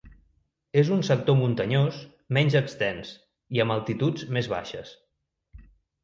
És un sector muntanyós menys extens i amb altituds més baixes.